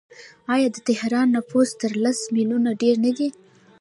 آیا د تهران نفوس تر لس میلیونه ډیر نه دی؟